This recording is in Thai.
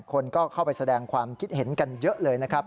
คนก็เข้าไปแสดงความคิดเห็นกันเยอะเลยนะครับ